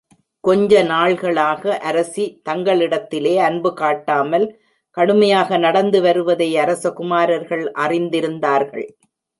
கொஞ்ச நாள்களாக அரசி தங்களிடத்திலே அன்பு காட்டாமல் கடுமையாக நடந்து வருவதை அரசகுமாரர்கள் அறிந்திருந்தார்கள்.